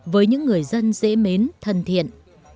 với những người dân dễ mến thân thiện